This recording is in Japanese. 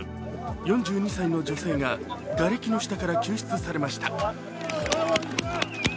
４２歳の女性ががれきの下から救出されました。